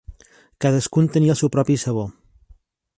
Cadascun tenia el seu propi sabor.